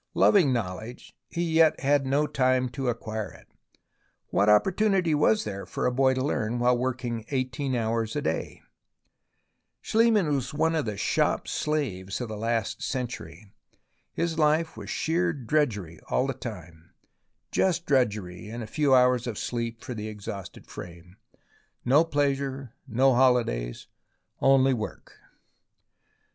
Loving knowledge, he yet had no time to acquire it. What opportunity was there for a boy to learn while working eighteen hours a day ? Schliemann was one of the shop slaves of last century. His life was sheer drudgery all the time, just drudgery and a few hours of sleep for the exhausted frame ; no pleasure, no holidays, only work.